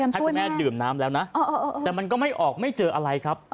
ให้คุณแม่ดื่มน้ำแล้วนะแต่มันก็ไม่ออกไม่เจออะไรครับ